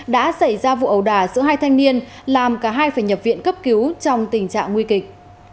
đã xảy ra vụ ẩu đả giữa hai thanh niên làm cả hai phải nhập viện cấp cứu trong tình trạng nguy kịch